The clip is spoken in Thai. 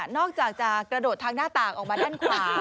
อกจากจะกระโดดทางหน้าต่างออกมาด้านขวา